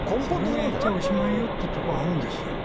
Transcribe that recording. それをやっちゃおしまいよっていうところがあるんですよ。